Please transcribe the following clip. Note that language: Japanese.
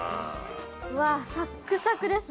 うわ、サックサクです。